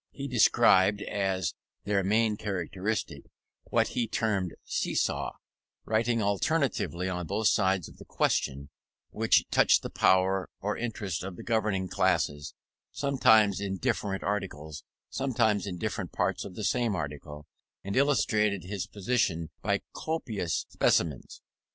He described, as their main characteristic, what he termed "seesaw"; writing alternately on both sides of the question which touched the power or interest of the governing classes; sometimes in different articles, sometimes in different parts of the same article: and illustrated his position by copious specimens.